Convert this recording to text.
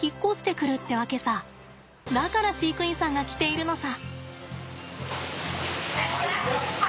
だから飼育員さんが来ているのさ。